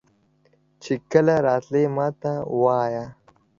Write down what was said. چې کله راتلې ماته وایه.